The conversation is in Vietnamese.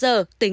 giai đoạn ủ bệnh